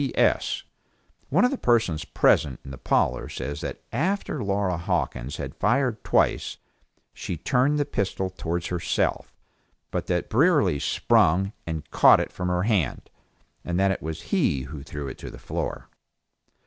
P. S. One of the persons present in the parlor says that after Laura Hawkins had fired twice, she turned the pistol towards herself, but that Brierly sprung and caught it from her hand, and that it was he who threw it on the floor.